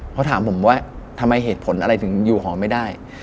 เพราะถามผมว่าทำไมเหตุผลอะไรถึงอยู่หอไม่ได้